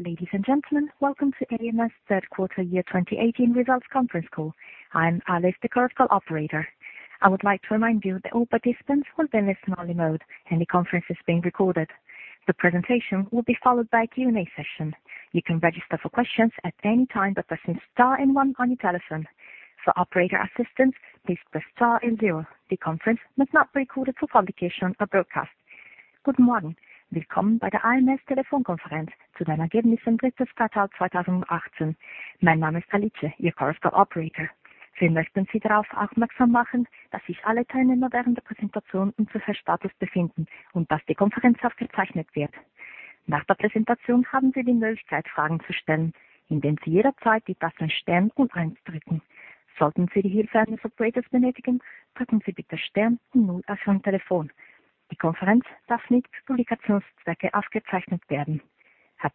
Ladies and gentlemen, welcome to ams third quarter year 2018 results conference call. I'm Alice, the conference call operator. I would like to remind you that all participants will be in listen-only mode, and the conference is being recorded. The presentation will be followed by a Q&A session. You can register for questions at any time by pressing star and one on your telephone. For operator assistance, please press star and zero. The conference must not be recorded for publication or broadcast. Good morning. Welcome to the ams telephone conference for the third quarter of 2018. My name is Alice, your conference call operator. We would like to draw your attention to the fact that all participants are in listen-only mode during the presentation and that the conference is being recorded. After the presentation, you will have the opportunity to ask questions by pressing star and one at any time. If you need the assistance of an operator, please press star and zero on your telephone. The conference may not be recorded for publication or broadcast. At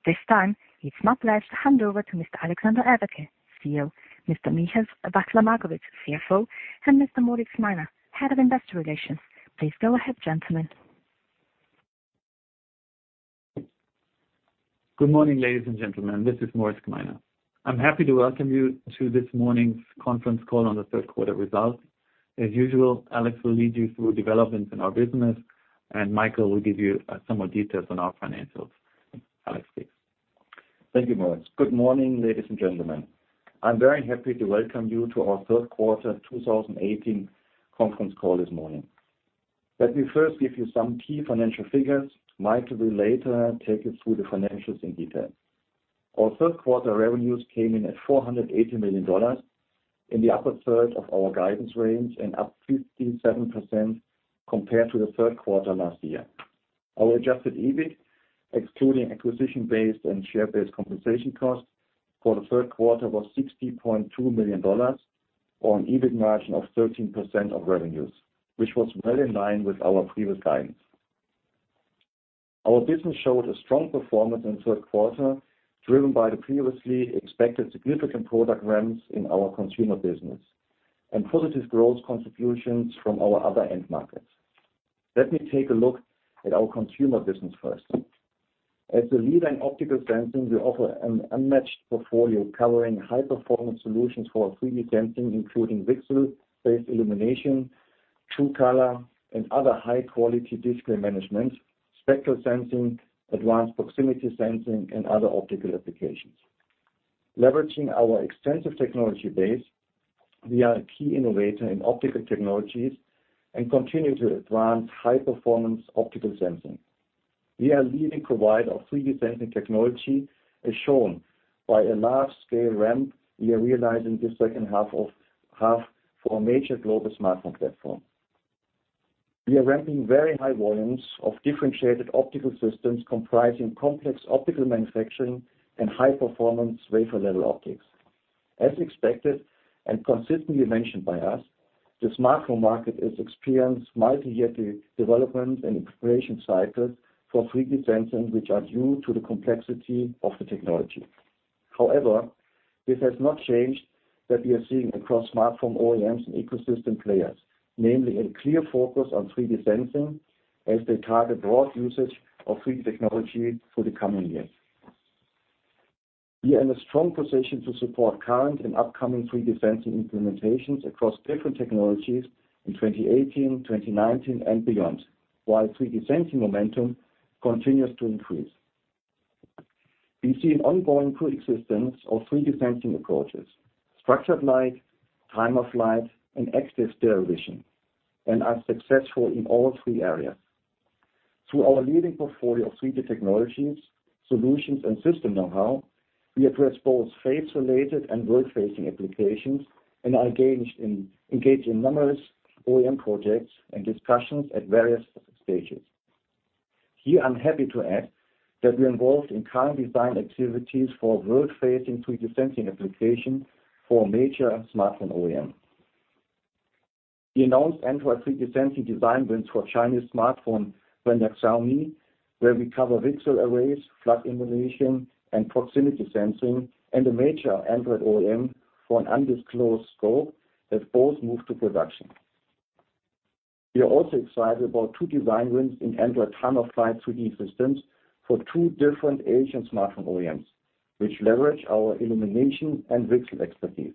this time, it's my pleasure to hand over to Mr. Alexander Everke, CEO, Mr. Michael Wachsler-Markowitsch, CFO, and Mr. Moritz Gmeiner, Head of Investor Relations. Please go ahead, gentlemen. Good morning, ladies and gentlemen. This is Moritz Gmeiner. I'm happy to welcome you to this morning's conference call on the third quarter results. As usual, Alex will lead you through developments in our business, Michael will give you some more details on our financials. Alex, please. Thank you, Moritz. Good morning, ladies and gentlemen. I'm very happy to welcome you to our third quarter 2018 conference call this morning. Let me first give you some key financial figures. Michael will later take you through the financials in detail. Our third quarter revenues came in at $480 million in the upper third of our guidance range and up 57% compared to the third quarter last year. Our adjusted EBIT, excluding acquisition-based and share-based compensation costs for the third quarter, was $60.2 million, or an EBIT margin of 13% of revenues, which was well in line with our previous guidance. Our business showed a strong performance in the third quarter, driven by the previously expected significant product ramps in our consumer business and positive growth contributions from our other end markets. Let me take a look at our consumer business first. As a leader in optical sensing, we offer an unmatched portfolio covering high-performance solutions for 3D sensing, including VCSEL-based illumination, True Color, and other high-quality display management, spectral sensing, advanced proximity sensing, and other optical applications. Leveraging our extensive technology base, we are a key innovator in optical technologies and continue to advance high-performance optical sensing. We are a leading provider of 3D sensing technology, as shown by a large-scale ramp we are realizing this second half for a major global smartphone platform. We are ramping very high volumes of differentiated optical systems comprising complex optical manufacturing and high-performance wafer-level optics. As expected and consistently mentioned by us, the smartphone market has experienced multi-year development and integration cycles for 3D sensing, which are due to the complexity of the technology. This has not changed what we are seeing across smartphone OEMs and ecosystem players, namely a clear focus on 3D sensing as they target broad usage of 3D technology for the coming years. We are in a strong position to support current and upcoming 3D sensing implementations across different technologies in 2018, 2019, and beyond, while 3D sensing momentum continues to increase. We see an ongoing coexistence of 3D sensing approaches, structured light, time-of-flight, and active stereo vision, and are successful in all three areas. Through our leading portfolio of 3D technologies, solutions, and system know-how, we address both face-related and world-facing applications and are engaged in numerous OEM projects and discussions at various stages. Here, I'm happy to add that we're involved in current design activities for world-facing 3D sensing application for a major smartphone OEM. The announced Android 3D sensing design wins for Chinese smartphone vendor Xiaomi, where we cover VCSEL arrays, flood illumination, and proximity sensing, and a major Android OEM for an undisclosed scope have both moved to production. We are also excited about two design wins in Android time-of-flight 3D systems for two different Asian smartphone OEMs, which leverage our illumination and VCSEL expertise.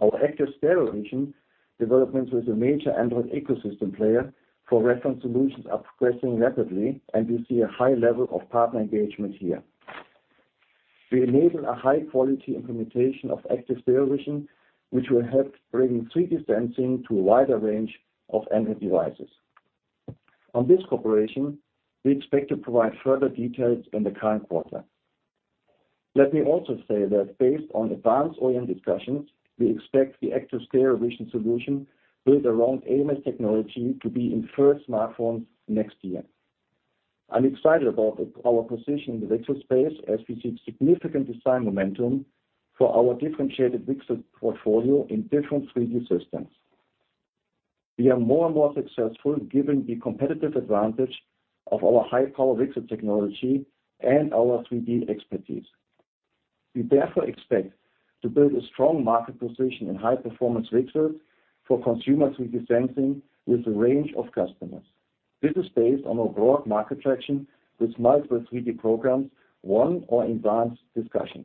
Our active stereo vision developments with a major Android ecosystem player for reference solutions are progressing rapidly, and we see a high level of partner engagement here. We enable a high-quality implementation of active stereo vision, which will help bring 3D sensing to a wider range of Android devices. On this cooperation, we expect to provide further details in the current quarter. Let me also say that based on advanced OEM discussions, we expect the active stereo vision solution built around ams technology to be in first smartphones next year. I'm excited about our position in the VCSEL space as we see significant design momentum for our differentiated VCSEL portfolio in different 3D systems. We are more and more successful given the competitive advantage of our high-power VCSEL technology and our 3D expertise. We therefore expect to build a strong market position in high-performance VCSELs for consumer 3D sensing with a range of customers. This is based on a broad market traction with multiple 3D programs, won or advanced discussions.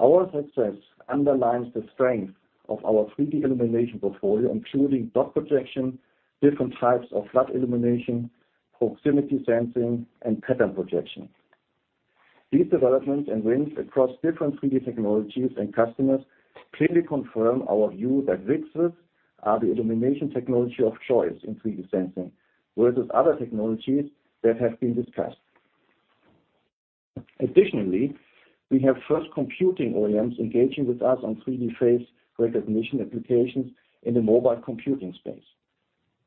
Our success underlines the strength of our 3D illumination portfolio, including dot projection, different types of flood illumination, proximity sensing, and pattern projection. These developments and wins across different 3D technologies and customers clearly confirm our view that VCSELs are the illumination technology of choice in 3D sensing, versus other technologies that have been discussed. Additionally, we have first computing OEMs engaging with us on 3D face recognition applications in the mobile computing space.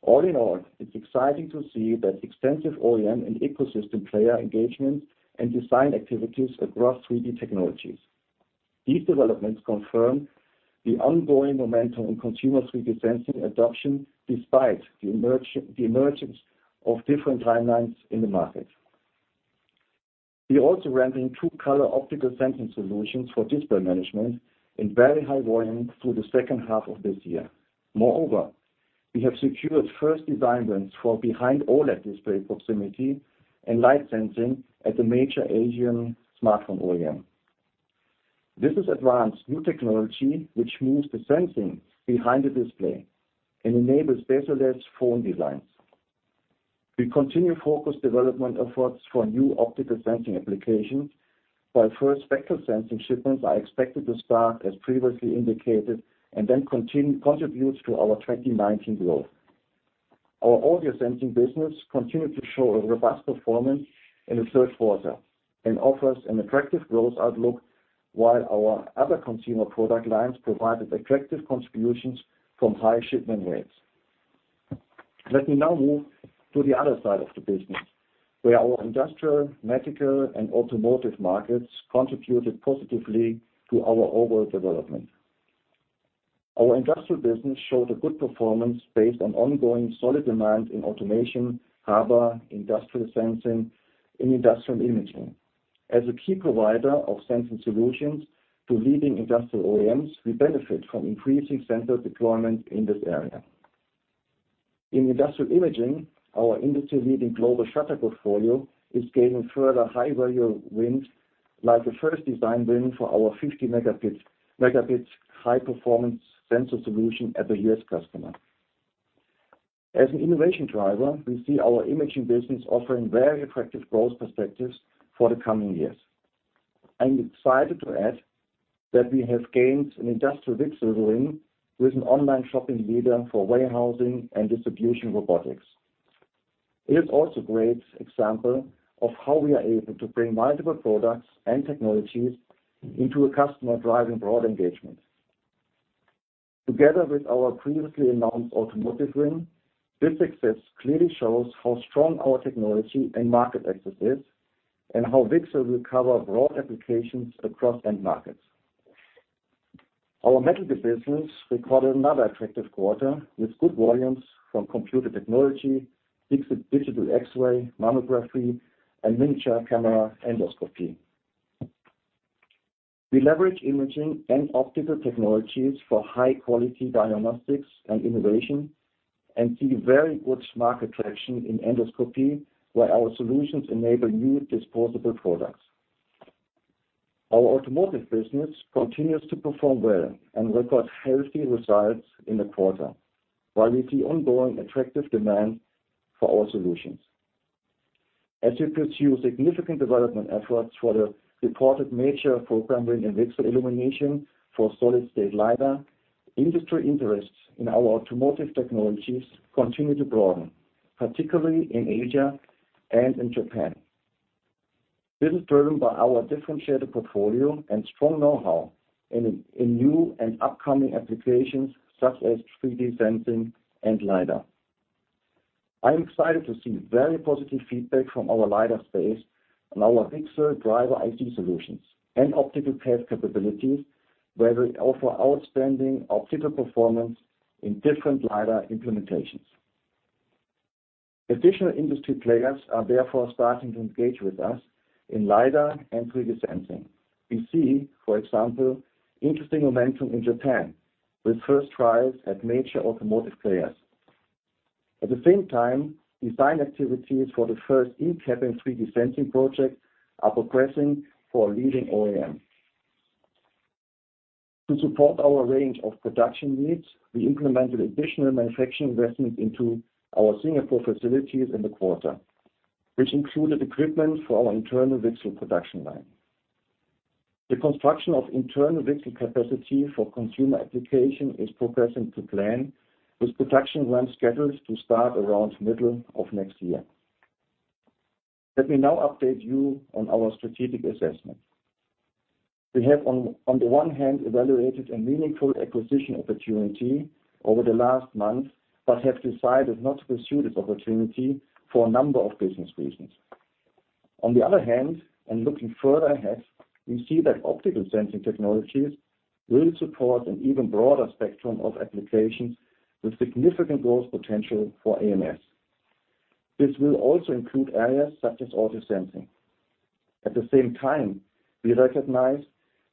All in all, it is exciting to see that extensive OEM and ecosystem player engagement and design activities across 3D technologies. These developments confirm the ongoing momentum in consumer 3D sensing adoption despite the emergence of different timelines in the market. We are also ramping True Color optical sensing solutions for display management in very high volumes through the second half of this year. Moreover, we have secured first design wins for behind-OLED display proximity and light sensing at a major Asian smartphone OEM. This is advanced new technology which moves the sensing behind the display and enables bezel-less phone designs. We continue focused development efforts for new optical sensing applications, while first spectral sensing shipments are expected to start as previously indicated, and then contribute to our 2019 growth. Our audio sensing business continued to show a robust performance in the third quarter and offers an attractive growth outlook, while our other consumer product lines provided attractive contributions from high shipment rates. Let me now move to the other side of the business, where our industrial, medical, and automotive markets contributed positively to our overall development. Our industrial business showed a good performance based on ongoing solid demand in automation, harbor, industrial sensing, and industrial imaging. As a key provider of sensing solutions to leading industrial OEMs, we benefit from increasing sensor deployment in this area. In industrial imaging, our industry-leading global shutter portfolio is gaining further high-value wins, like the first design win for our 50 megapixel high-performance sensor solution at a U.S. customer. As an innovation driver, we see our imaging business offering very attractive growth perspectives for the coming years. I am excited to add that we have gained an industrial VCSEL win with an online shopping leader for warehousing and distribution robotics. It is also a great example of how we are able to bring multiple products and technologies into a customer-driving broad engagement. Together with our previously announced automotive win, this success clearly shows how strong our technology and market access is, and how VCSEL will cover broad applications across end markets. Our medical business recorded another attractive quarter with good volumes from computed tomography, VCSEL digital X-ray, mammography, and miniature camera endoscopy. We leverage imaging and optical technologies for high-quality diagnostics and innovation and see very good market traction in endoscopy, where our solutions enable new disposable products. Our automotive business continues to perform well and record healthy results in the quarter, while we see ongoing attractive demand for our solutions. As we pursue significant development efforts for the reported major program win in VCSEL illumination for solid-state LiDAR, industry interests in our automotive technologies continue to broaden, particularly in Asia and in Japan. This is driven by our differentiated portfolio and strong know-how in new and upcoming applications, such as 3D sensing and LiDAR. I am excited to see very positive feedback from our LiDAR space on our VCSEL driver IC solutions and optical path capabilities, where we offer outstanding optical performance in different LiDAR implementations. Additional industry players are therefore starting to engage with us in LiDAR and 3D sensing. We see, for example, interesting momentum in Japan with first trials at major automotive players. At the same time, design activities for the first in-cabin 3D sensing project are progressing for a leading OEM. To support our range of production needs, we implemented additional manufacturing investments into our Singapore facilities in the quarter, which included equipment for our internal VCSEL production line. The construction of internal VCSEL capacity for consumer application is progressing to plan with production run schedules to start around middle of next year. Let me now update you on our strategic assessment. We have, on the one hand, evaluated a meaningful acquisition opportunity over the last month but have decided not to pursue this opportunity for a number of business reasons. On the other hand, looking further ahead, we see that optical sensing technologies will support an even broader spectrum of applications with significant growth potential for ams. This will also include areas such as audio sensing. At the same time, we recognize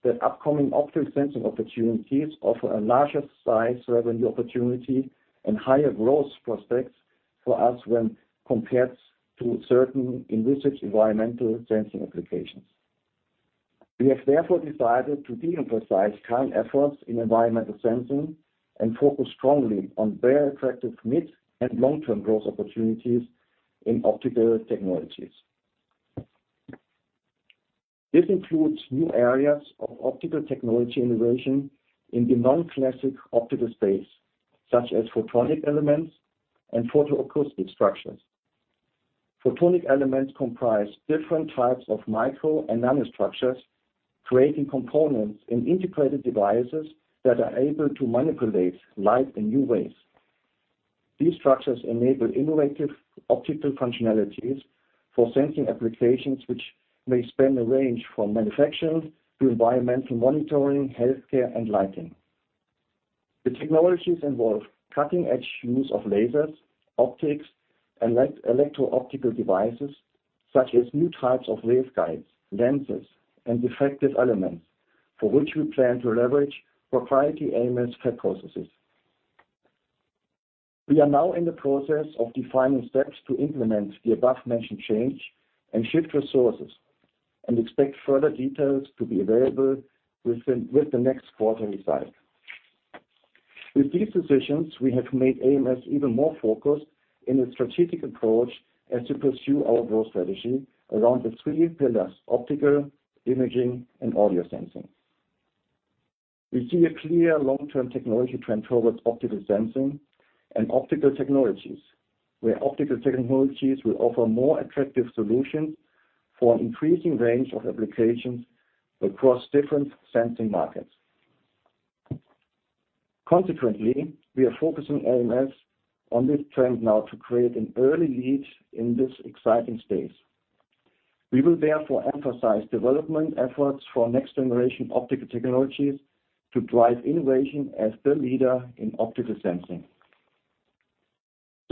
that upcoming optical sensing opportunities offer a larger size revenue opportunity and higher growth prospects for us when compared to certain in-visit environmental sensing applications. We have therefore decided to de-emphasize current efforts in environmental sensing and focus strongly on very attractive mid- and long-term growth opportunities in optical technologies. This includes new areas of optical technology innovation in the non-classic optical space, such as photonic elements and photoacoustic structures. Photonic elements comprise different types of micro and nano structures, creating components in integrated devices that are able to manipulate light in new ways. These structures enable innovative optical functionalities for sensing applications, which may span a range from manufacturing to environmental monitoring, healthcare, and lighting. The technologies involve cutting-edge use of lasers, optics, and electro-optical devices, such as new types of waveguides, lenses, and diffractive elements, for which we plan to leverage proprietary ams fab processes. We are now in the process of defining steps to implement the above-mentioned change and shift resources, and expect further details to be available with the next quarterly cycle. With these decisions, we have made ams even more focused in its strategic approach as we pursue our growth strategy around the three pillars, optical, imaging and audio sensing. We see a clear long-term technology trend towards optical sensing and optical technologies, where optical technologies will offer more attractive solutions for an increasing range of applications across different sensing markets. Consequently, we are focusing ams on this trend now to create an early lead in this exciting space. We will therefore emphasize development efforts for next-generation optical technologies to drive innovation as the leader in optical sensing.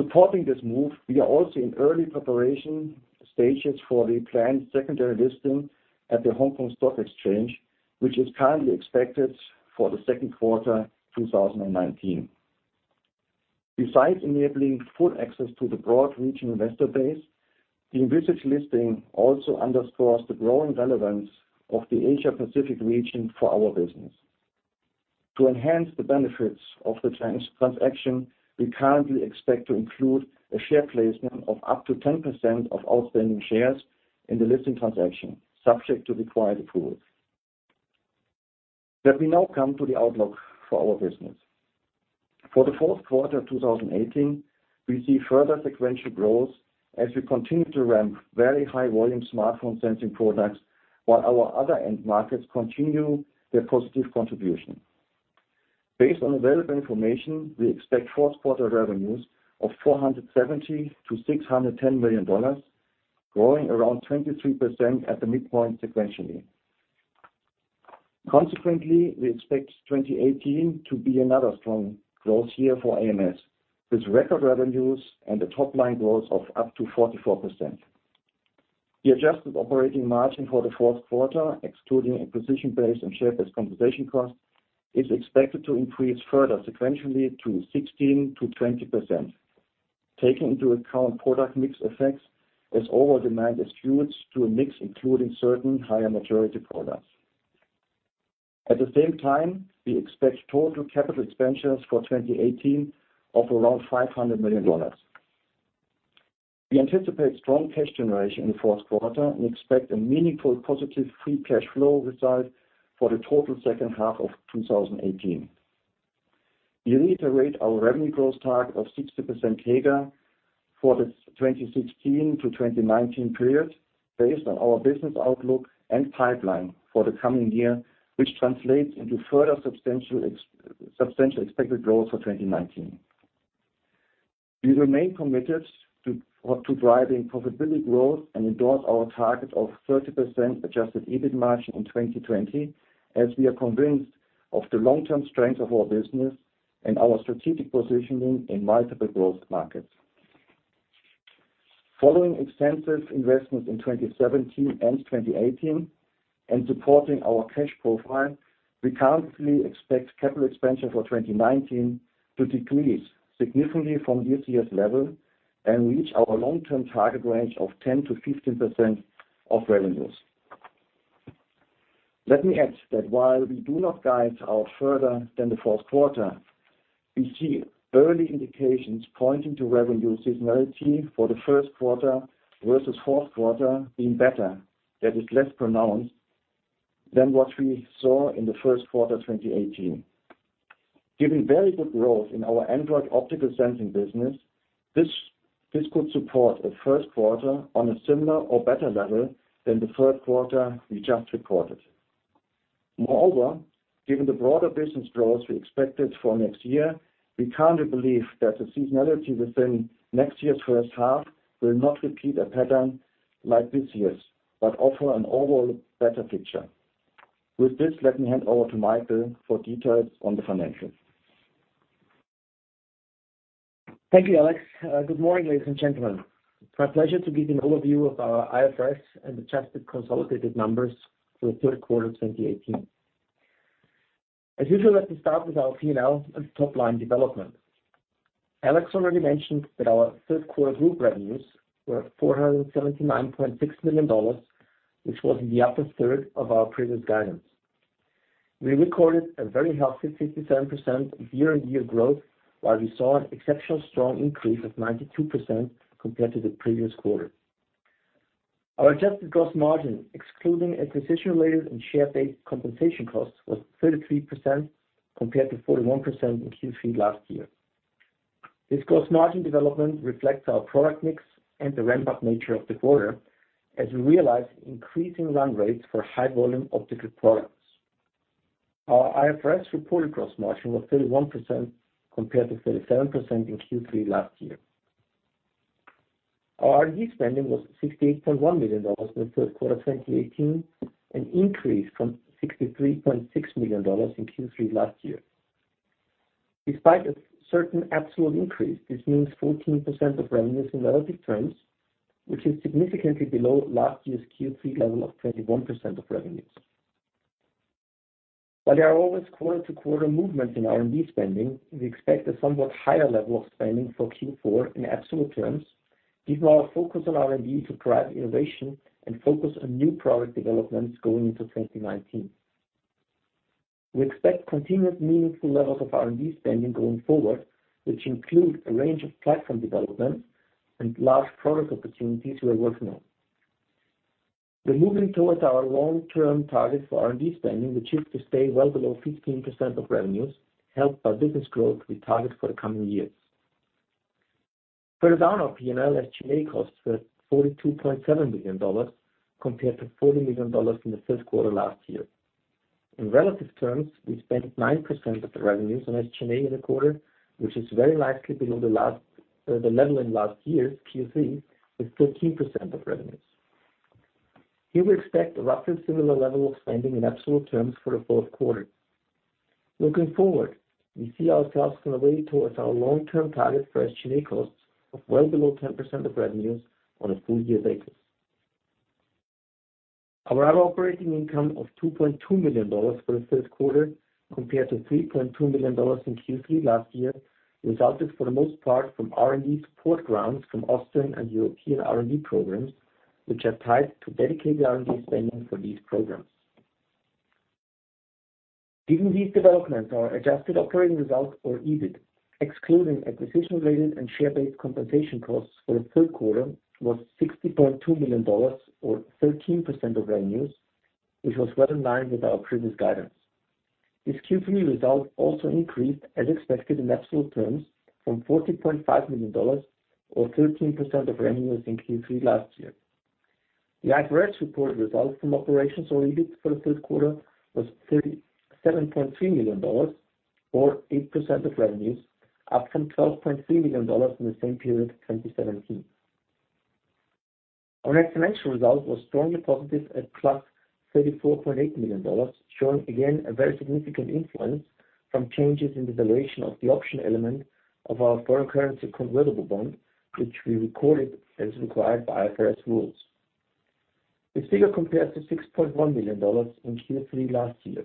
Supporting this move, we are also in early preparation stages for the planned secondary listing at the Hong Kong Stock Exchange, which is currently expected for the second quarter 2019. Besides enabling full access to the broad region investor base, the envisage listing also underscores the growing relevance of the Asia-Pacific region for our business. To enhance the benefits of the transaction, we currently expect to include a share placement of up to 10% of outstanding shares in the listing transaction, subject to required approval. Let me now come to the outlook for our business. For the fourth quarter of 2018, we see further sequential growth as we continue to ramp very high volume smartphone sensing products, while our other end markets continue their positive contribution. Based on available information, we expect fourth quarter revenues of $470 million-$610 million, growing around 23% at the midpoint sequentially. We expect 2018 to be another strong growth year for ams, with record revenues and a top-line growth of up to 44%. The adjusted operating margin for the fourth quarter, excluding acquisition-based and share-based compensation cost, is expected to increase further sequentially to 16%-20%. Taking into account product mix effects as overall demand skews to a mix including certain higher maturity products. At the same time, we expect total capital expenditures for 2018 of around $500 million. We anticipate strong cash generation in the fourth quarter and expect a meaningful positive free cash flow result for the total second half of 2018. We reiterate our revenue growth target of 60% CAGR for the 2016 to 2019 period, based on our business outlook and pipeline for the coming year, which translates into further substantial expected growth for 2019. We remain committed to driving profitability growth and endorse our target of 30% adjusted EBIT margin in 2020, as we are convinced of the long-term strength of our business and our strategic positioning in multiple growth markets. Following extensive investments in 2017 and 2018 and supporting our cash profile, we currently expect capital expenditure for 2019 to decrease significantly from this year's level and reach our long-term target range of 10%-15% of revenues. Let me add that while we do not guide out further than the fourth quarter, we see early indications pointing to revenue seasonality for the first quarter versus fourth quarter being better. That is less pronounced than what we saw in the first quarter 2018. Given very good growth in our Android optical sensing business, this could support a first quarter on a similar or better level than the third quarter we just reported. Given the broader business growth we expected for next year, we currently believe that the seasonality within next year's first half will not repeat a pattern like this year, but offer an overall better picture. With this, let me hand over to Michael for details on the financials. Thank you, Alex. Good morning, ladies and gentlemen. My pleasure to give an overview of our IFRS and adjusted consolidated numbers for the third quarter 2018. As usual, let me start with our P&L and top-line development. Alex already mentioned that our third quarter group revenues were $479.6 million, which was in the upper third of our previous guidance. We recorded a very healthy 57% year-on-year growth, while we saw an exceptional strong increase of 92% compared to the previous quarter. Our adjusted gross margin, excluding acquisition-related and share-based compensation costs, was 33% compared to 41% in Q3 last year. This gross margin development reflects our product mix and the ramp-up nature of the quarter, as we realize increasing run rates for high-volume optical products. Our IFRS reported gross margin was 31% compared to 37% in Q3 last year. Our R&D spending was $68.1 million for the third quarter 2018, an increase from $63.6 million in Q3 last year. Despite a certain absolute increase, this means 14% of revenues in relative terms, which is significantly below last year's Q3 level of 21% of revenues. While there are always quarter-to-quarter movements in R&D spending, we expect a somewhat higher level of spending for Q4 in absolute terms, given our focus on R&D to drive innovation and focus on new product developments going into 2019. We expect continued meaningful levels of R&D spending going forward, which include a range of platform developments and large product opportunities we are working on. The movement towards our long-term target for R&D spending, which is to stay well below 15% of revenues, helped by business growth we target for the coming years. Further down our P&L, SG&A costs were $42.7 million compared to $40 million in the third quarter last year. In relative terms, we spent 9% of the revenues on SG&A in the quarter, which is very likely below the level in last year's Q3 of 13% of revenues. Here, we expect a roughly similar level of spending in absolute terms for the fourth quarter. Looking forward, we see ourselves on a way towards our long-term target for SG&A costs of well below 10% of revenues on a full year basis. Our other operating income of $2.2 million for the third quarter compared to $3.2 million in Q3 last year resulted for the most part from R&D support grants from Austrian and European R&D programs, which are tied to dedicated R&D spending for these programs. Given these developments, our adjusted operating results or EBIT, excluding acquisition-related and share-based compensation costs for the third quarter, was $60.2 million or 13% of revenues, which was well in line with our previous guidance. This Q3 result also increased, as expected in absolute terms, from $40.5 million or 13% of revenues in Q3 last year. The IFRS reported results from operations or EBIT for the third quarter was $37.3 million or 8% of revenues, up from $12.3 million in the same period in 2017. Our net financial result was strongly positive at plus $34.8 million, showing again a very significant influence from changes in the valuation of the option element of our foreign currency convertible bond, which we recorded as required by IFRS rules. This figure compares to $6.1 million in Q3 last year.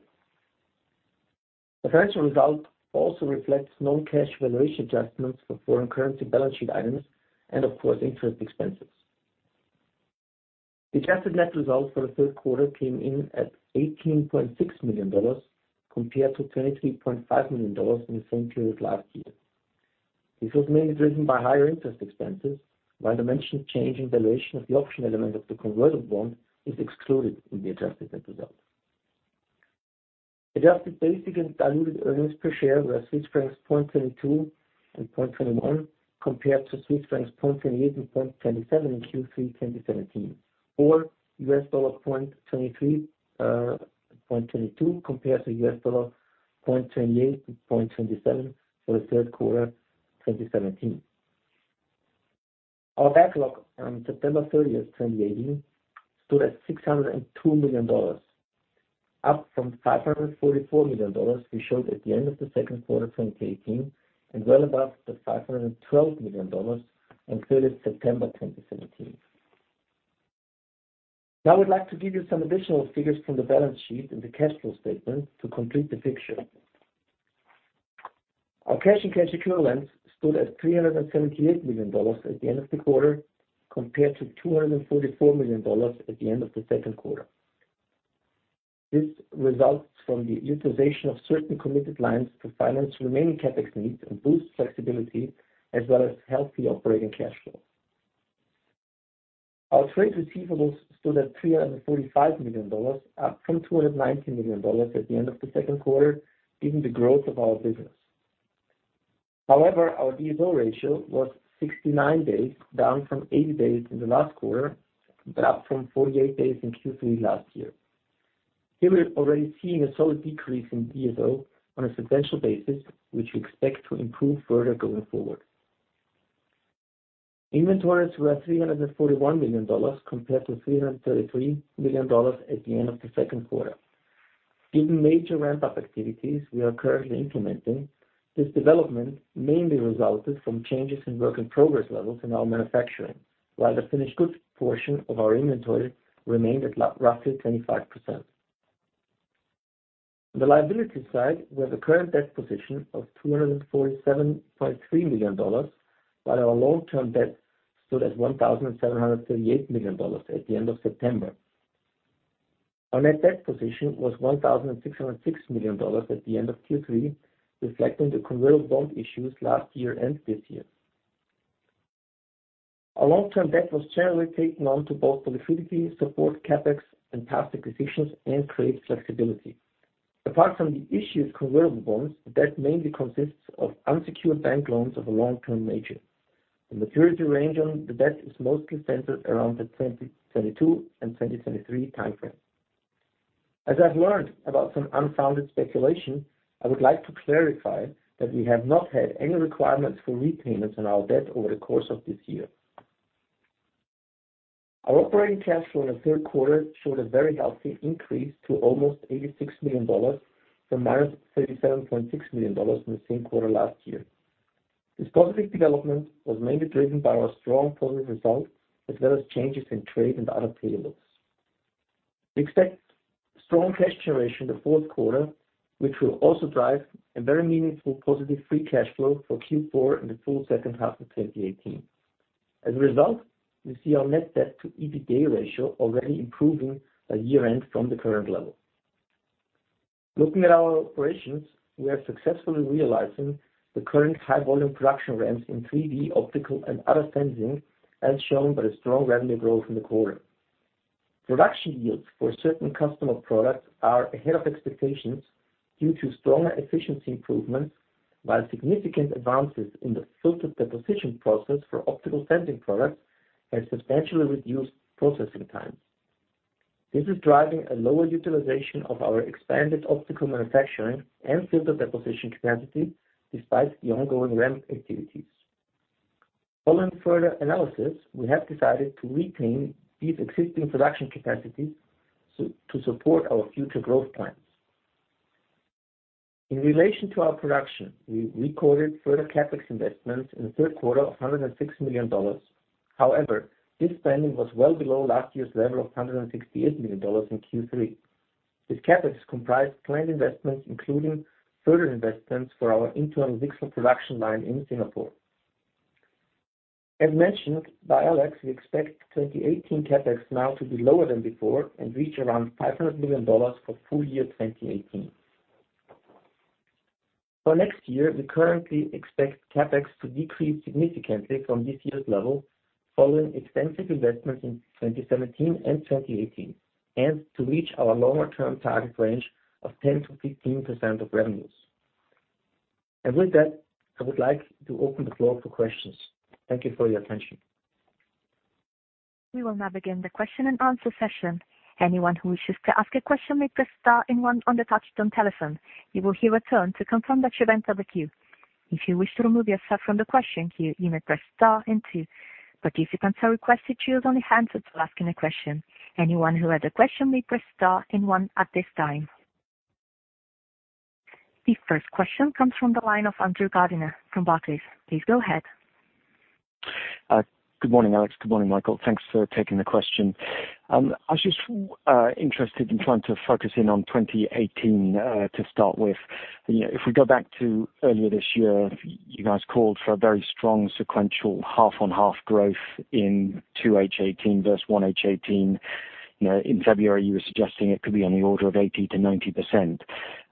The financial result also reflects non-cash valuation adjustments for foreign currency balance sheet items and, of course, interest expenses. The adjusted net results for the third quarter came in at $18.6 million compared to $23.5 million in the same period last year. This was mainly driven by higher interest expenses, while the mentioned change in valuation of the option element of the convertible bond is excluded in the adjusted net results. Adjusted basic and diluted earnings per share were 0.22 Swiss francs and 0.21, compared to 0.28 Swiss francs and 0.27 in Q3 2017, or $0.23, $0.22 compared to $0.28 to $0.27 for the third quarter 2017. Our backlog on September 30th, 2018, stood at $602 million, up from $544 million we showed at the end of the second quarter 2018 and well above the $512 million on 30th September 2017. I'd like to give you some additional figures from the balance sheet and the cash flow statement to complete the picture. Our cash and cash equivalents stood at $378 million at the end of the quarter, compared to $244 million at the end of the second quarter. This results from the utilization of certain committed lines to finance remaining CapEx needs and boost flexibility as well as healthy operating cash flow. Our trade receivables stood at $345 million, up from $290 million at the end of the second quarter, given the growth of our business. Our DSO ratio was 69 days, down from 80 days in the last quarter, but up from 48 days in Q3 last year. Here we are already seeing a solid decrease in DSO on a substantial basis, which we expect to improve further going forward. Inventories were $341 million compared to $333 million at the end of the second quarter. Given major ramp-up activities we are currently implementing, this development mainly resulted from changes in work-in-progress levels in our manufacturing, while the finished goods portion of our inventory remained at roughly 25%. On the liability side, we have a current debt position of $247.3 million, while our long-term debt stood at $1,738 million at the end of September. Our net debt position was $1,606 million at the end of Q3, reflecting the convertible bond issues last year and this year. Our long-term debt was generally taken on to both the liquidity support CapEx and past acquisitions and create flexibility. Apart from the issued convertible bonds, the debt mainly consists of unsecured bank loans of a long-term nature. The maturity range on the debt is mostly centered around the 2022 and 2023 timeframe. I've learned about some unfounded speculation, I would like to clarify that we have not had any requirements for repayments on our debt over the course of this year. Our operating cash flow in the third quarter showed a very healthy increase to almost $86 million from -$37.6 million in the same quarter last year. This positive development was mainly driven by our strong positive result, as well as changes in trade and other payables. We expect strong cash generation in the fourth quarter, which will also drive a very meaningful positive free cash flow for Q4 and the full second half of 2018. As a result, we see our net debt to EBITDA ratio already improving by year-end from the current level. Looking at our operations, we are successfully realizing the current high-volume production ramps in 3D optical and other sensing, as shown by the strong revenue growth in the quarter. Production yields for certain customer products are ahead of expectations due to stronger efficiency improvements, while significant advances in the filter deposition process for optical sensing products have substantially reduced processing times. This is driving a lower utilization of our expanded optical manufacturing and filter deposition capacity despite the ongoing ramp activities. Following further analysis, we have decided to retain these existing production capacities to support our future growth plans. In relation to our production, we recorded further CapEx investments in the third quarter of $106 million. This spending was well below last year's level of $168 million in Q3. This CapEx comprised planned investments, including further investments for our internal VCSEL production line in Singapore. As mentioned by Alex, we expect 2018 CapEx now to be lower than before and reach around $500 million for full year 2018. For next year, we currently expect CapEx to decrease significantly from this year's level following extensive investments in 2017 and 2018, to reach our longer-term target range of 10%-15% of revenues. With that, I would like to open the floor for questions. Thank you for your attention. We will now begin the question and answer session. Anyone who wishes to ask a question may press star and one on the touchtone telephone. You will hear a tone to confirm that you entered the queue. If you wish to remove yourself from the question queue, you may press star and two. Participants are requested to use only hands-up to asking a question. Anyone who had a question may press star and one at this time. The first question comes from the line of Andrew Gardiner from Barclays. Please go ahead. Good morning, Alex. Good morning, Michael. Thanks for taking the question. I was just interested in trying to focus in on 2018 to start with. If we go back to earlier this year, you guys called for a very strong sequential half-on-half growth in 2H18 versus 1H18. In February, you were suggesting it could be on the order of 80%-90%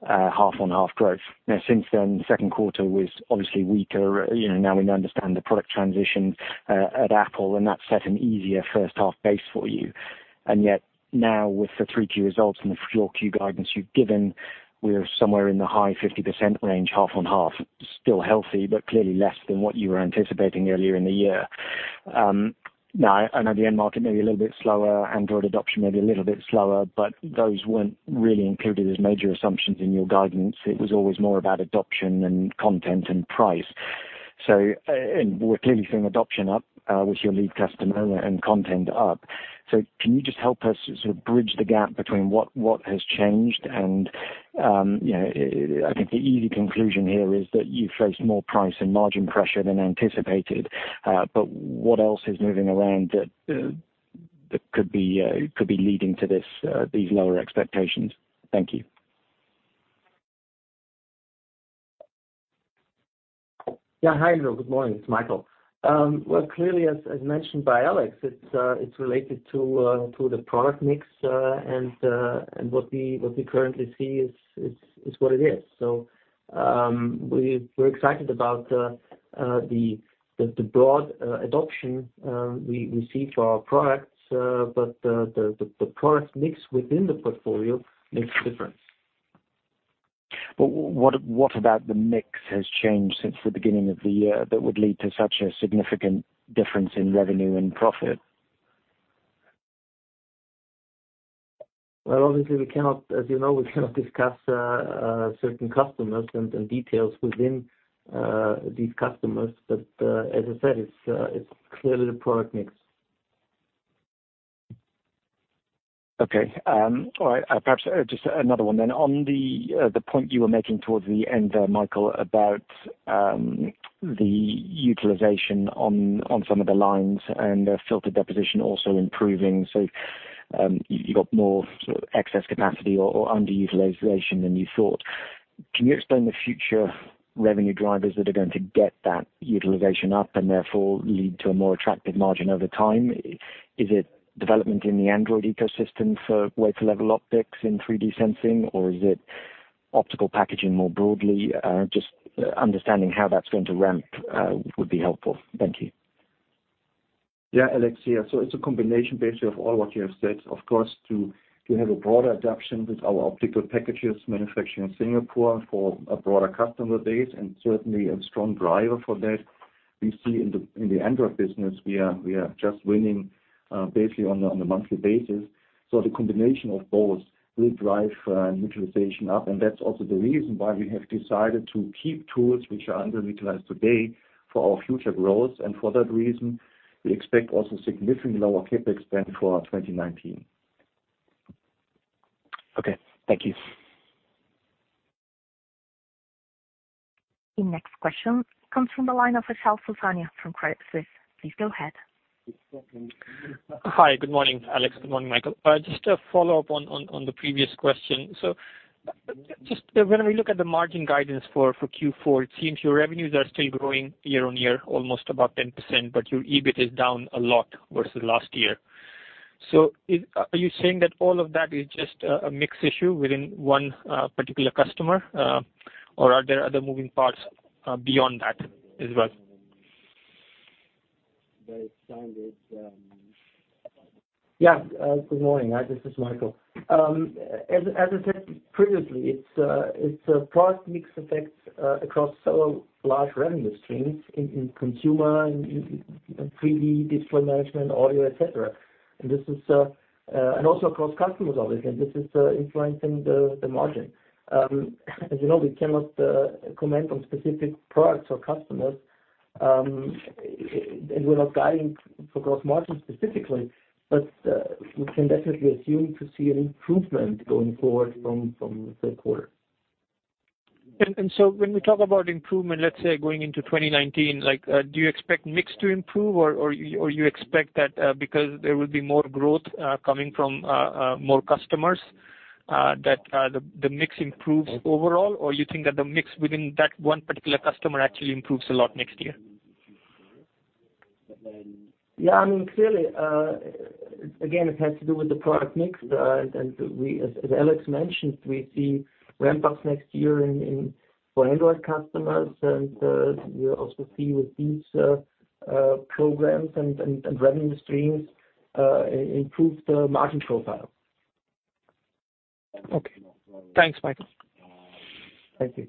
half-on-half growth. Since then, the second quarter was obviously weaker. We understand the product transition at Apple, and that set an easier first-half base for you. Yet now with the Q3 results and the full Q guidance you've given, we are somewhere in the high 50% range, half-on-half. Still healthy, but clearly less than what you were anticipating earlier in the year. I know the end market may be a little bit slower, Android adoption may be a little bit slower, but those weren't really included as major assumptions in your guidance. It was always more about adoption and content and price. We're clearly seeing adoption up with your lead customer and content up. Can you just help us sort of bridge the gap between what has changed. I think the easy conclusion here is that you faced more price and margin pressure than anticipated. What else is moving around that could be leading to these lower expectations? Thank you. Yeah. Hi, Andrew. Good morning. It's Michael. Well, clearly as mentioned by Alex, it's related to the product mix and what we currently see is what it is. We're excited about the broad adoption we see to our products, but the product mix within the portfolio makes a difference. What about the mix has changed since the beginning of the year that would lead to such a significant difference in revenue and profit? Well, obviously we cannot, as you know, we cannot discuss certain customers and details within these customers. As I said, it's clearly the product mix. Okay. All right. Perhaps just another one then. On the point you were making towards the end there, Michael, about the utilization on some of the lines and filter deposition also improving. You got more sort of excess capacity or underutilization than you thought. Can you explain the future revenue drivers that are going to get that utilization up and therefore lead to a more attractive margin over time? Is it development in the Android ecosystem for wafer level optics in 3D sensing, or is it optical packaging more broadly? Just understanding how that's going to ramp would be helpful. Thank you. Yeah, Alex. Yeah. It's a combination basically of all what you have said. Of course, to have a broader adoption with our optical packages manufacturing in Singapore for a broader customer base and certainly a strong driver for that. We see in the Android business, we are just winning basically on a monthly basis. The combination of both will drive utilization up and that's also the reason why we have decided to keep tools which are underutilized today for our future growth. For that reason, we expect also significantly lower CapEx spend for our 2019. Okay. Thank you. The next question comes from the line of Achal Sultania from Credit Suisse. Please go ahead. Hi. Good morning, Alex. Good morning, Michael. Just a follow-up on the previous question. Just when we look at the margin guidance for Q4, it seems your revenues are still growing year-on-year, almost about 10%, but your EBIT is down a lot versus last year. Are you saying that all of that is just a mix issue within one particular customer? Or are there other moving parts beyond that as well? Yeah. Good morning. Hi, this is Michael. As I said previously, it's a product mix effect across several large revenue streams in consumer and in 3D display management, audio, et cetera. Also across customers, obviously, and this is influencing the margin. As you know, we cannot comment on specific products or customers, and we're not guiding for gross margin specifically. We can definitely assume to see an improvement going forward from the third quarter. When we talk about improvement, let's say, going into 2019, do you expect mix to improve? You expect that because there will be more growth coming from more customers that the mix improves overall? You think that the mix within that one particular customer actually improves a lot next year? Yeah. Clearly, again, it has to do with the product mix. As Alex mentioned, we see ramp-ups next year for Android customers and we also see with these programs and revenue streams improved margin profile. Okay. Thanks, Michael. Thank you.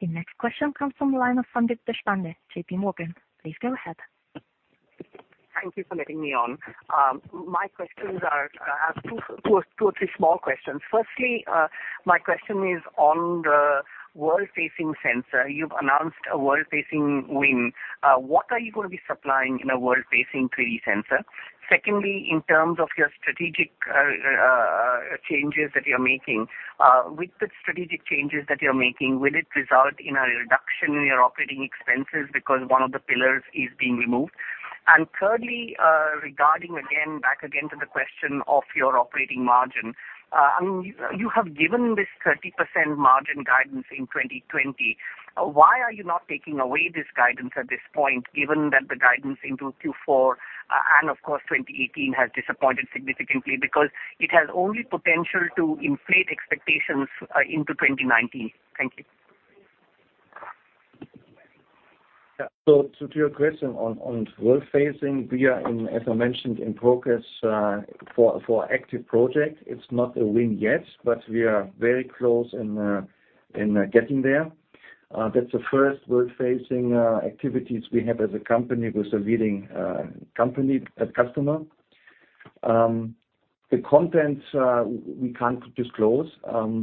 The next question comes from the line of Sandeep Deshpande, JPMorgan. Please go ahead. Thank you for letting me on. I have two or three small questions. Firstly, my question is on the world-facing sensor. You've announced a world-facing win. What are you going to be supplying in a world-facing 3D sensor? Secondly, in terms of your strategic changes that you're making, with the strategic changes that you're making, will it result in a reduction in your operating expenses because one of the pillars is being removed? Thirdly, regarding again, back again to the question of your operating margin. You have given this 30% margin guidance in 2020. Why are you not taking away this guidance at this point, given that the guidance into Q4, and of course 2018 has disappointed significantly because it has only potential to inflate expectations into 2019? Thank you. To your question on world-facing, we are in, as I mentioned, in progress for active project. It's not a win yet, but we are very close in getting there. That's the first world-facing activities we have as a company with a leading company as customer. The contents we can't disclose,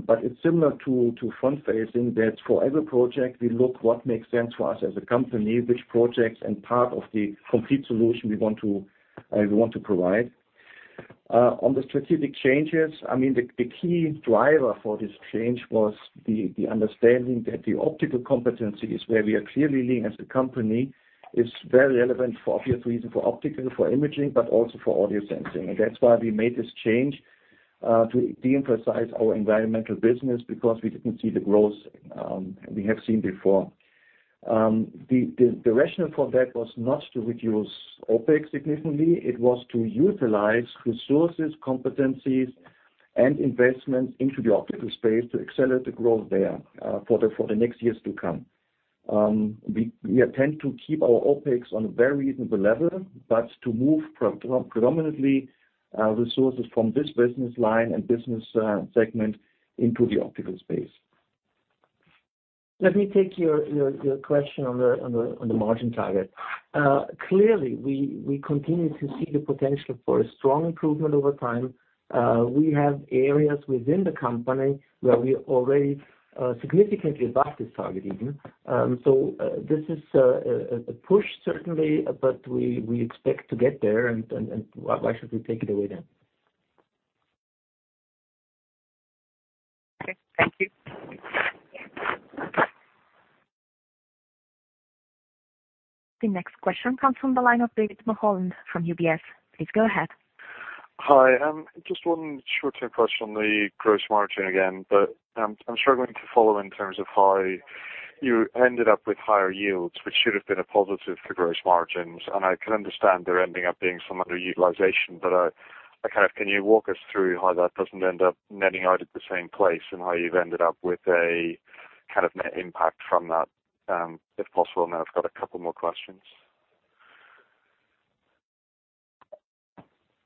but it's similar to front-facing that for every project we look what makes sense for us as a company, which projects and part of the complete solution we want to provide. On the strategic changes, the key driver for this change was the understanding that the optical competencies where we are clearly leading as a company is very relevant for obvious reasons, for optical, for imaging, but also for audio sensing. That's why we made this change, to de-emphasize our environmental business because we didn't see the growth we have seen before. The rationale for that was not to reduce OpEx significantly. It was to utilize resources, competencies, and investments into the optical space to accelerate the growth there for the next years to come. We intend to keep our OpEx on a very reasonable level, but to move predominantly resources from this business line and business segment into the optical space. Let me take your question on the margin target. Clearly, we continue to see the potential for a strong improvement over time. We have areas within the company where we already significantly above this target even. This is a push, certainly, but we expect to get there and why should we take it away then? Okay, thank you. The next question comes from the line of David Mulholland from UBS. Please go ahead. Hi. Just one short-term question on the gross margin again, but I'm struggling to follow in terms of how you ended up with higher yields, which should have been a positive for gross margins. I can understand there ending up being some underutilization, but can you walk us through how that doesn't end up netting out at the same place, and how you've ended up with a net impact from that, if possible? Then I've got a couple more questions.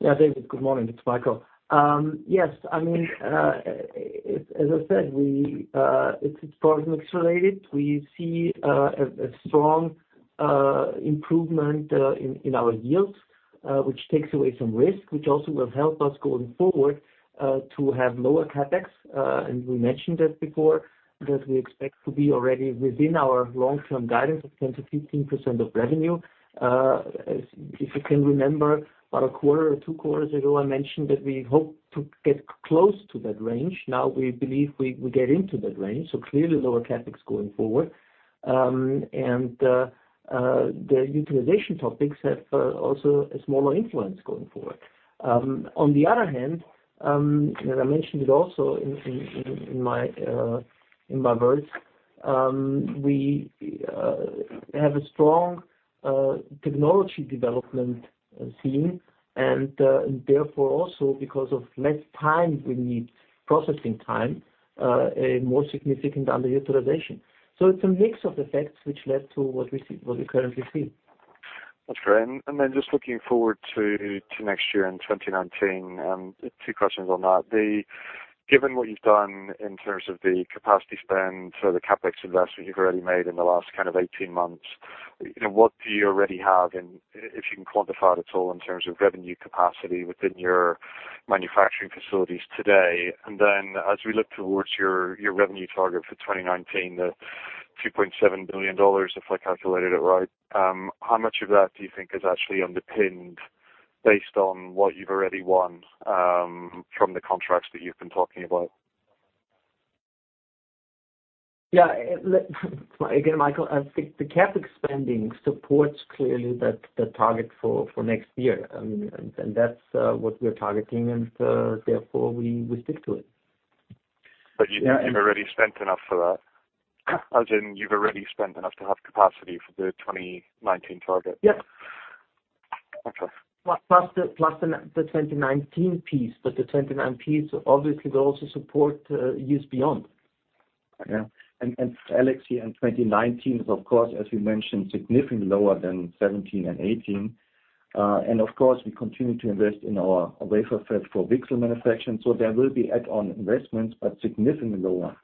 David, good morning. It's Michael. Yes, as I said, it's product mix related. We see a strong improvement in our yields, which takes away some risk, which also will help us going forward, to have lower CapEx. We mentioned that before, that we expect to be already within our long-term guidance of 10%-15% of revenue. If you can remember, about a quarter or two quarters ago, I mentioned that we hope to get close to that range. We believe we get into that range, clearly lower CapEx going forward. The utilization topics have also a smaller influence going forward. On the other hand, I mentioned it also in my words, we have a strong technology development team, therefore also because of less time we need, processing time, a more significant underutilization. It's a mix of effects which led to what we currently see. That's great. Just looking forward to next year in 2019, two questions on that. Given what you've done in terms of the capacity spend, the CapEx investment you've already made in the last 18 months, what do you already have in, if you can quantify it at all, in terms of revenue capacity within your manufacturing facilities today? As we look towards your revenue target for 2019, the $2.7 billion, if I calculated it right, how much of that do you think is actually underpinned based on what you've already won from the contracts that you've been talking about? Yeah. Again, Michael, I think the CapEx spending supports clearly the target for next year. That's what we are targeting, therefore we stick to it. You've already spent enough for that? As in you've already spent enough to have capacity for the 2019 target? Yes. Okay. The 2019 piece, the 2019 piece obviously will also support years beyond. Alex, in 2019 is of course, as we mentioned, significantly lower than 2017 and 2018. Of course, we continue to invest in our wafer fab for VCSEL manufacturing. There will be add-on investments, but significantly lower.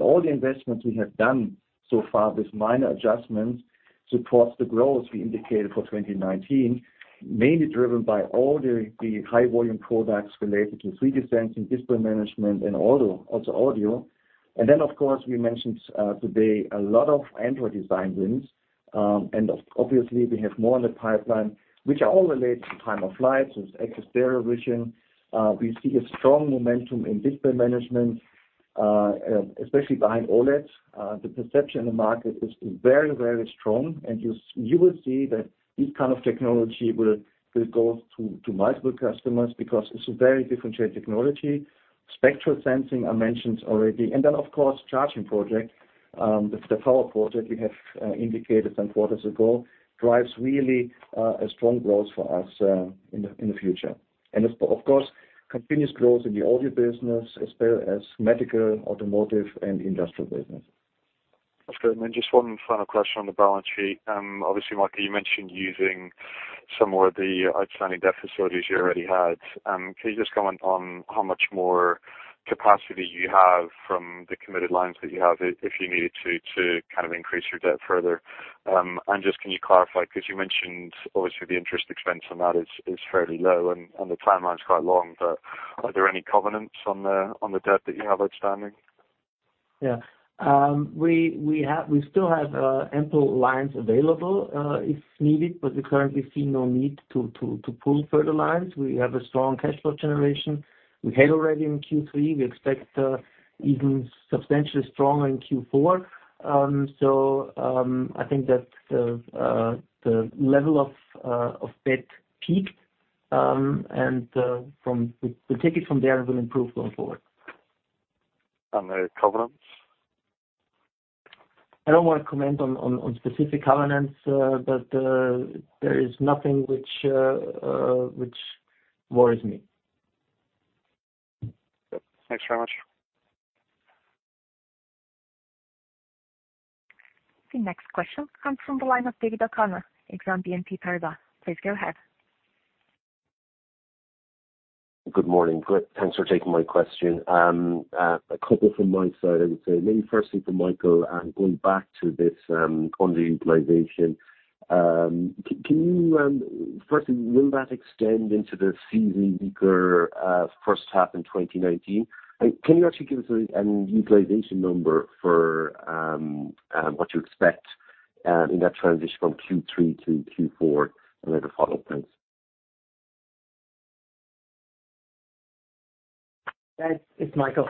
All the investments we have done so far with minor adjustments supports the growth we indicated for 2019, mainly driven by all the high volume products related to 3D sensing, display management, and also audio. Of course, we mentioned today a lot of Android design wins. Obviously we have more in the pipeline, which are all related to time-of-flight, so it's active stereo vision. We see a strong momentum in display management, especially behind OLEDs. The perception in the market is very strong, you will see that this kind of technology will go to multiple customers because it's a very differentiated technology. Spectral sensing, I mentioned already. Of course, charging project, the power project we have indicated some quarters ago, drives really a strong growth for us in the future. Of course, continuous growth in the audio business as well as medical, automotive, and industrial business. That's great. Just one final question on the balance sheet. Obviously, Michael, you mentioned using some more of the outstanding debt facilities you already had. Can you just comment on how much more capacity you have from the committed lines that you have, if you needed to increase your debt further? Just can you clarify, because you mentioned obviously the interest expense on that is fairly low and the timeline is quite long, are there any covenants on the debt that you have outstanding? Yeah. We still have ample lines available if needed, we currently see no need to pull further lines. We have a strong cash flow generation. We had already in Q3. We expect even substantially stronger in Q4. I think that the level of debt peaked, and we take it from there and will improve going forward. The covenants? I don't want to comment on specific covenants, but there is nothing which worries me. Good. Thanks very much. The next question comes from the line of David O'Connor at BNP Paribas. Please go ahead. Good morning. Thanks for taking my question. A couple from my side, I would say. Maybe firstly from Michael, going back to this underutilization, firstly, will that extend into the seasonally weaker first half in 2019? Can you actually give us a utilization number for what you expect in that transition from Q3 to Q4? The follow-up. Thanks. It's Michael.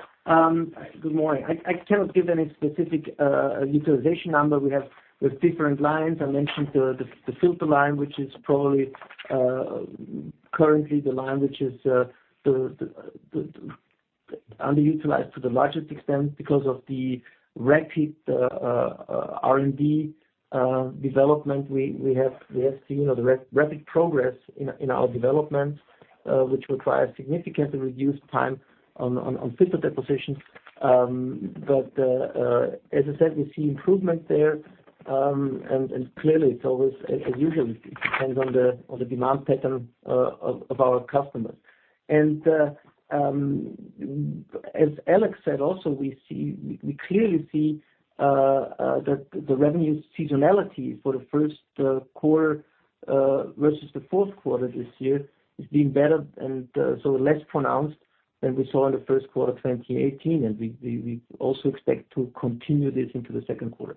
Good morning. I cannot give any specific utilization number. We have those different lines. I mentioned the filter line, which is probably currently the line which is underutilized to the largest extent because of the rapid R&D development. We have seen the rapid progress in our development, which will drive significantly reduced time on filter deposition. As I said, we see improvement there. Clearly, it usually depends on the demand pattern of our customers. As Alex said also, we clearly see that the revenue seasonality for the first quarter versus the fourth quarter this year is being better, less pronounced than we saw in the first quarter of 2018. We also expect to continue this into the second quarter.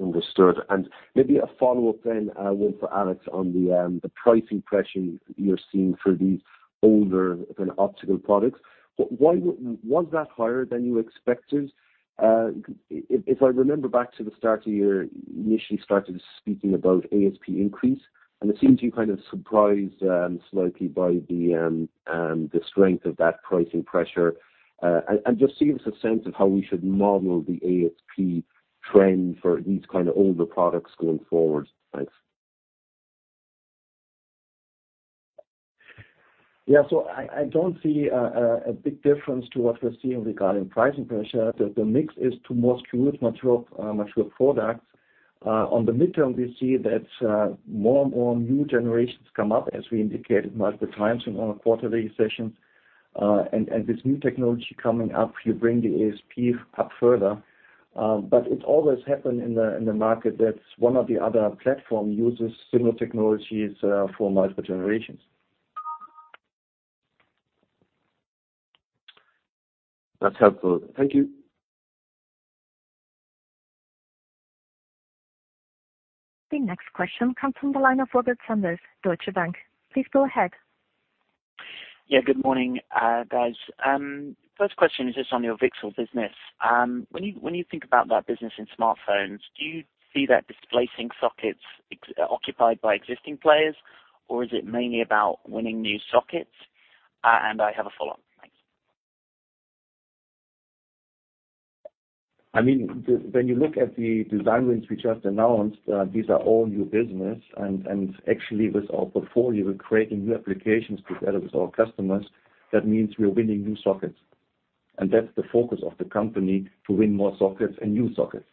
Understood. Maybe a follow-up then, one for Alex on the pricing pressure you're seeing for these older than optical products. Was that higher than you expected? If I remember back to the start of the year, you initially started speaking about ASP increase, it seems you kind of surprised slightly by the strength of that pricing pressure. Just give us a sense of how we should model the ASP trend for these kind of older products going forward. Thanks. Yeah. I don't see a big difference to what we're seeing regarding pricing pressure. The mix is to more skewed, mature products. On the midterm, we see that more and more new generations come up as we indicated multiple times in our quarterly sessions. This new technology coming up will bring the ASP up further. It always happen in the market that one of the other platform uses similar technologies for multiple generations. That's helpful. Thank you. The next question comes from the line of Robert Sanders, Deutsche Bank. Please go ahead. Yeah. Good morning, guys. First question is just on your VCSEL business. When you think about that business in smartphones, do you see that displacing sockets occupied by existing players, or is it mainly about winning new sockets? I have a follow-up. Thanks. When you look at the design wins we just announced, these are all new business, actually with our portfolio, we're creating new applications together with our customers. That means we are winning new sockets. That's the focus of the company, to win more sockets and new sockets.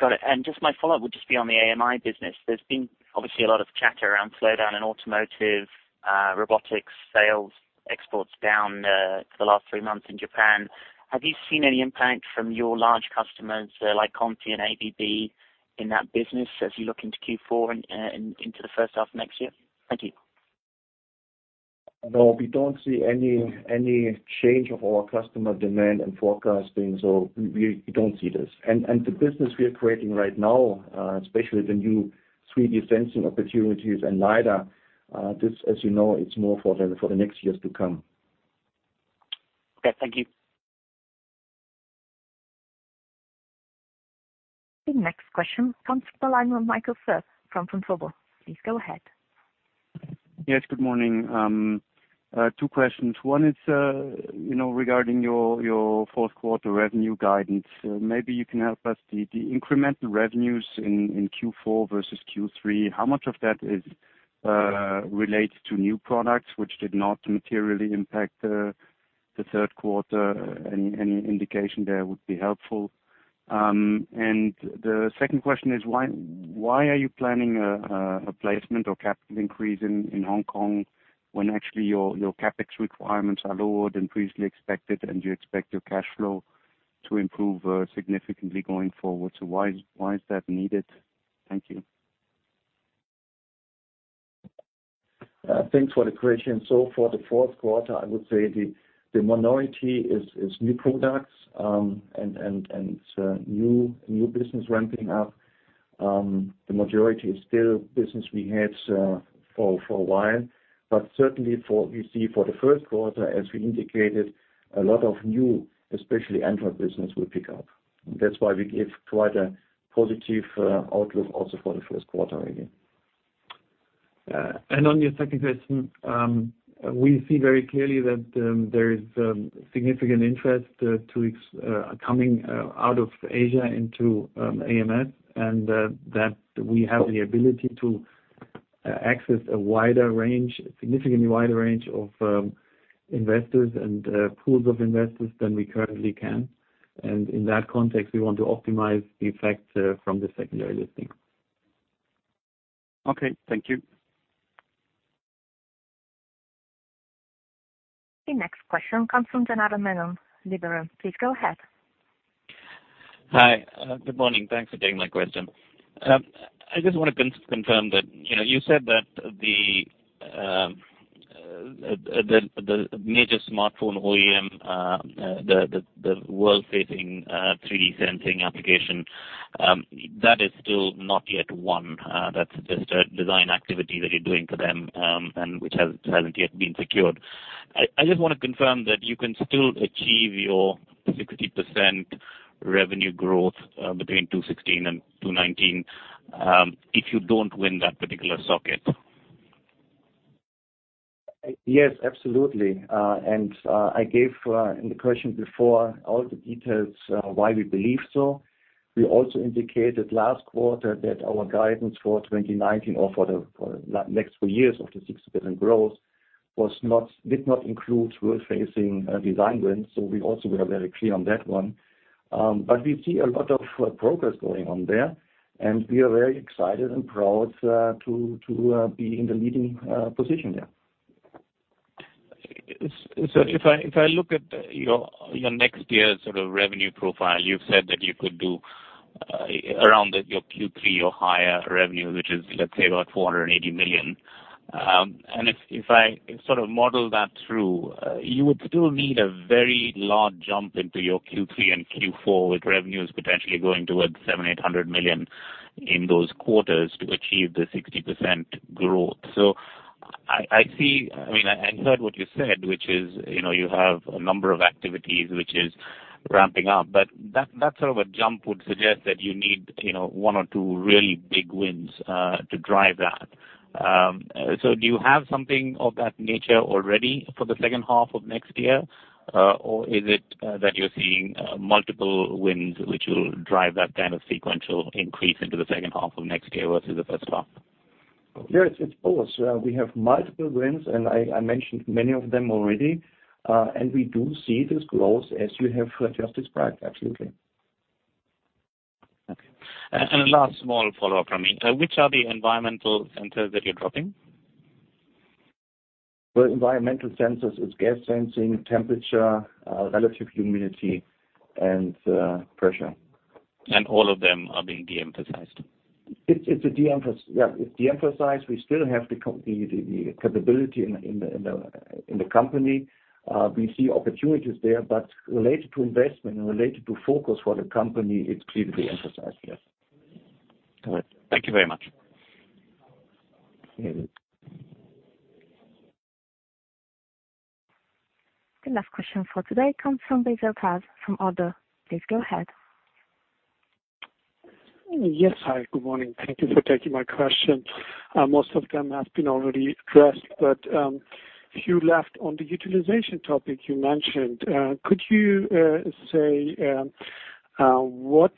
Got it. Just my follow-up would just be on the AMI business. There's been obviously a lot of chatter around slowdown in automotive, robotics sales, exports down for the last three months in Japan. Have you seen any impact from your large customers like Conti and ABB in that business as you look into Q4 and into the first half of next year? Thank you. No, we don't see any change of our customer demand and forecasting, we don't see this. The business we are creating right now, especially the new 3D sensing opportunities and LiDAR, this, as you know, it's more for the next years to come. Okay. Thank you. The next question comes from the line of Michael Foeth from Vontobel. Please go ahead. Yes, good morning. Two questions. One is regarding your fourth quarter revenue guidance. Maybe you can help us, the incremental revenues in Q4 versus Q3, how much of that is related to new products which did not materially impact the third quarter? Any indication there would be helpful. The second question is why are you planning a placement or capital increase in Hong Kong when actually your CapEx requirements are lower than previously expected and you expect your cash flow to improve significantly going forward? Why is that needed? Thank you. Thanks for the question. For the fourth quarter, I would say the minority is new products and new business ramping up. The majority is still business we had for a while. Certainly we see for the first quarter, as we indicated, a lot of new, especially Android business will pick up. That's why we give quite a positive outlook also for the first quarter again. On your second question, we see very clearly that there is significant interest coming out of Asia into ams, and that we have the ability to access a significantly wider range of investors and pools of investors than we currently can. In that context, we want to optimize the effect from the secondary listing. Okay. Thank you. The next question comes from Janardan Menon, Liberum. Please go ahead. Hi. Good morning. Thanks for taking my question. I just want to confirm that you said that the major smartphone OEM, the world-facing 3D sensing application, that is still not yet won. That is just a design activity that you are doing for them, and which has not yet been secured. I just want to confirm that you can still achieve your 60% revenue growth between 2016 and 2019 if you do not win that particular socket. Yes, absolutely. I gave in the question before all the details why we believe so. We also indicated last quarter that our guidance for 2019 or for the next three years of the 6% growth did not include world-facing design wins. We also were very clear on that one. We see a lot of progress going on there, and we are very excited and proud to be in the leading position there. If I look at your next year's sort of revenue profile, you have said that you could do around your Q3 or higher revenue, which is, let us say, about $480 million. If I sort of model that through, you would still need a very large jump into your Q3 and Q4 with revenues potentially going towards $700 million-$800 million in those quarters to achieve the 60% growth. I see, I mean, I heard what you said, which is you have a number of activities which is ramping up, but that sort of a jump would suggest that you need one or two really big wins to drive that. Do you have something of that nature already for the second half of next year? Is it that you're seeing multiple wins, which will drive that kind of sequential increase into the second half of next year versus the first half? Yes, it's both. We have multiple wins, I mentioned many of them already. We do see this growth as you have just described. Absolutely. Okay. Last small follow-up from me. Which are the environmental sensors that you're dropping? Well, environmental sensors is gas sensing, temperature, relative humidity, and pressure. All of them are being de-emphasized? Yeah. It's de-emphasized. We still have the capability in the company. We see opportunities there, but related to investment and related to focus for the company, it's clearly de-emphasized, yes. All right. Thank you very much. Yeah. The last question for today comes from Veysel Taze from ODDO. Please go ahead. Yes. Hi, good morning. Thank you for taking my question. Most of them have been already addressed, but few left on the utilization topic you mentioned. Could you say what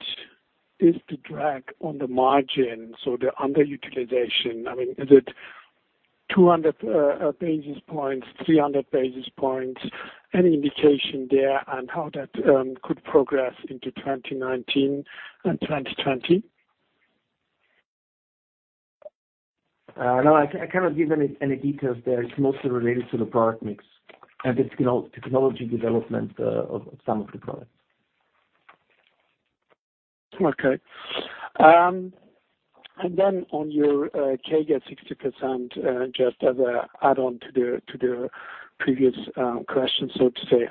is the drag on the margin, so the underutilization, I mean, is it 200 basis points, 300 basis points? Any indication there on how that could progress into 2019 and 2020? No, I cannot give any details there. It's mostly related to the product mix and the technology development of some of the products. Okay. Then on your CAGR 60%, just as a add-on to the previous question, so to say.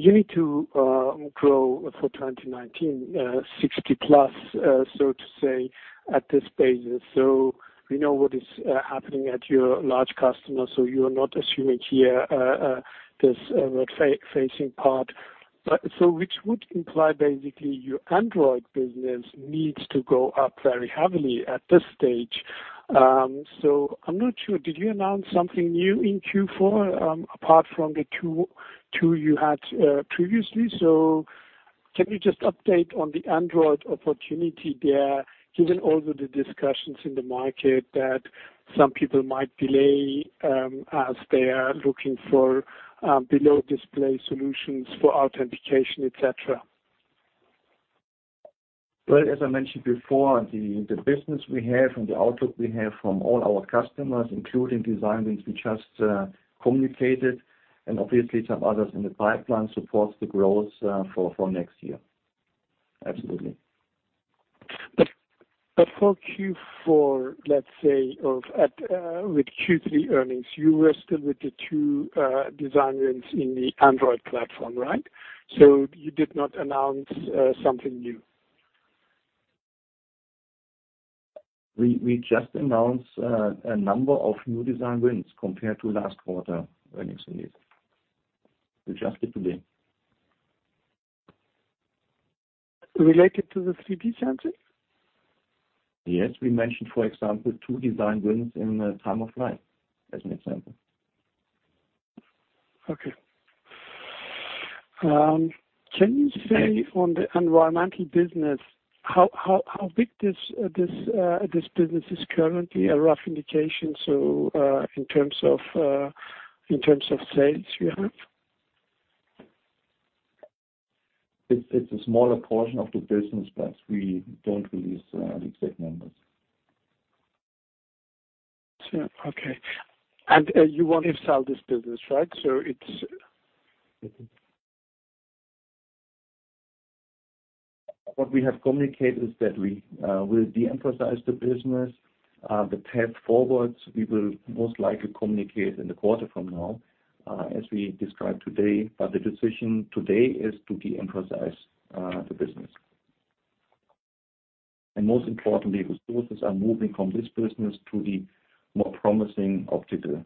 You need to grow for 2019, 60% plus, so to say, at this stage. We know what is happening at your large customer, so you are not assuming here this rear-facing part. Which would imply basically your Android business needs to go up very heavily at this stage. I'm not sure, did you announce something new in Q4, apart from the two you had previously? Can you just update on the Android opportunity there, given all of the discussions in the market that some people might delay as they are looking for behind-OLED solutions for authentication, et cetera? Well, as I mentioned before, the business we have and the outlook we have from all our customers, including design wins we just communicated, and obviously some others in the pipeline supports the growth for next year. Absolutely. For Q4, let's say, or with Q3 earnings, you were still with the two design wins in the Android platform, right? You did not announce something new. We just announced a number of new design wins compared to last quarter earnings release. We just did today. Related to the 3D sensors? Yes. We mentioned, for example, two design wins in time-of-flight as an example. Okay. Can you say on the environmental business how big this business is currently, a rough indication, in terms of sales you have? It's a smaller portion of the business, we don't release the exact numbers. Okay. You want to sell this business, right? What we have communicated is that we will de-emphasize the business. The path forward, we will most likely communicate in the quarter from now, as we described today. The decision today is to de-emphasize the business. Most importantly, resources are moving from this business to the more promising optical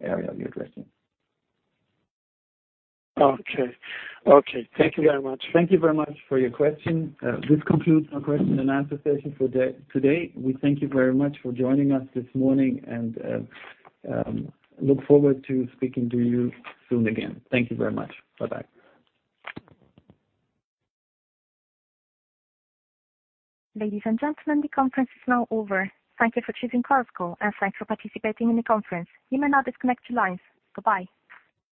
area we are addressing. Okay. Thank you very much. Thank you very much for your question. This concludes our question and answer session for today. We thank you very much for joining us this morning and look forward to speaking to you soon again. Thank you very much. Bye-bye. Ladies and gentlemen, the conference is now over. Thank you for choosing Chorus Call, and thanks for participating in the conference. You may now disconnect your lines. Goodbye.